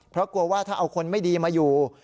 เพราะกลัวว่าถ้าเอาคนไม่ดีมาอยู่